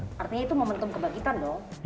artinya itu momentum kebangkitan dong